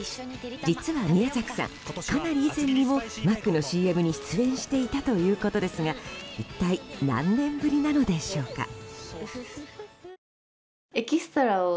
実は宮崎さん、かなり以前にもマックのＣＭに出演していたということですが一体、何年ぶりなのでしょうか。